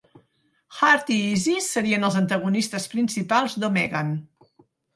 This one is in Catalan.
Harth i Isis serien els antagonistes principals d'Omegan.